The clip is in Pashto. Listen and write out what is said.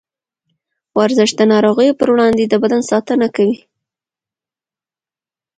ورزش د نارغيو پر وړاندې د بدن ساتنه کوي.